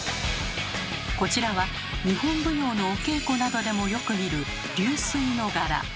こちらは日本舞踊のお稽古などでもよく見る「流水」の柄。